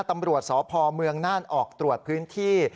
ตำรวจสพเมืองน่านออกตรวจพื้นที่